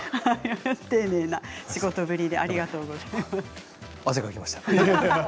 丁寧な仕事ぶりありがとうございます。